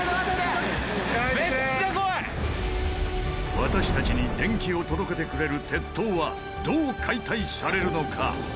私たちに電気を届けてくれる鉄塔はどう解体されるのか？